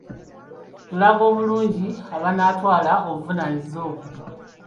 Olaga bulungi abanaatwala obuvunaanyizibwa obwo.